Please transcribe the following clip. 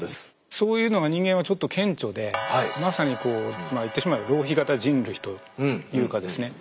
そういうのが人間はちょっと顕著でまさにこうまあ言ってしまえば浪費型人類というかですね。